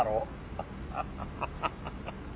ハハハハ。